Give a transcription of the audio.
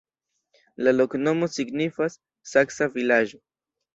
La loknomo signifas: saksa-vilaĝ'.